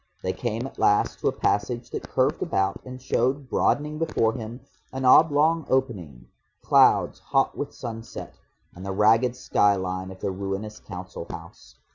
They came at last to a passage that curved about, and showed broadening before him an oblong opening, clouds hot with sunset, and the ragged skyline of the ruinous Council House.